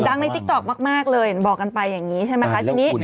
ดังในติ๊กต๊อกมากเลยบอกกันไปอย่างนี้ใช่ไหมคะ